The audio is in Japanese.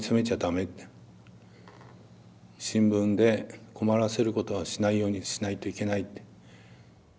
「新聞で困らせることはしないようにしないといけない」って。